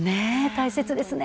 大切ですね！